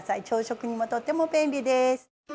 朝食にもとっても便利です。